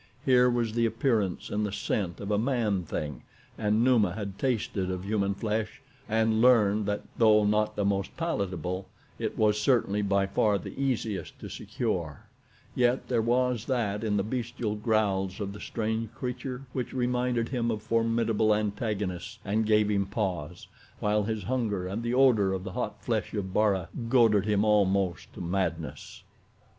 Here was the appearance and the scent of a man thing and Numa had tasted of human flesh and learned that though not the most palatable it was certainly by far the easiest to secure, yet there was that in the bestial growls of the strange creature which reminded him of formidable antagonists and gave him pause, while his hunger and the odor of the hot flesh of Bara goaded him almost to madness.